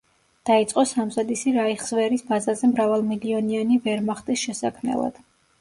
დაიწყო სამზადისი რაიხსვერის ბაზაზე მრავალმილიონიანი ვერმახტის შესაქმნელად.